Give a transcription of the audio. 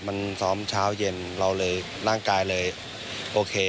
มันซ้อมเช้าเย็นเราเลยร่างกายเลยโอเค